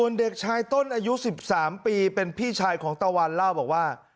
เพราะตรงน้ำพื้นแม่ก็ไม่เห็นเหตุการณ์ตรงนั้น